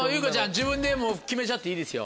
自分で決めちゃっていいですよ。